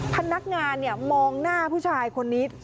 พนักงานมองหน้าผู้ชายคนนี้